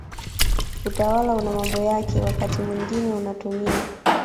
Utawala una mambo yake wakati mwingine unatumia